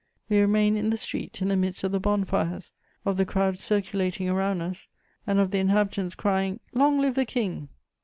We remained in the street, in the midst of the bon fires, of the crowd circulating around us, and of the inhabitants crying, "Long live the King!"